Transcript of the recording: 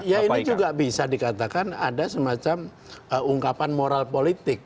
ya ini juga bisa dikatakan ada semacam ungkapan moral politik